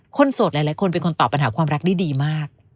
โสดหลายคนเป็นคนตอบปัญหาความรักได้ดีมาก